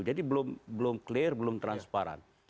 jadi belum clear belum transparan